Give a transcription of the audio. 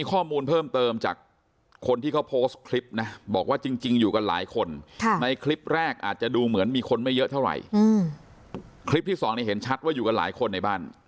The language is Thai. คลิปที่สองเนี้ยเห็นชัดว่าอยู่กับหลายคนในบ้าน